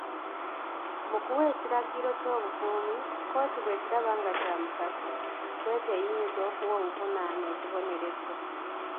Mu kuwa ekiragiro ky'obukuumi, kkooti bw'ekiraba nga kya mugaso ,bwetyo eyinza okuwa omuvunaanwa ekibonerezo.